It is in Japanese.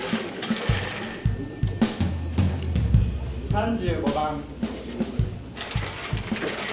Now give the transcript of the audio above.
・３５番。